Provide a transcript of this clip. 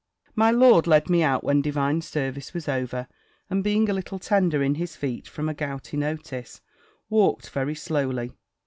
My lord led me out when divine service was over; and being a little tender in his feet, from a gouty notice, walked very slowly.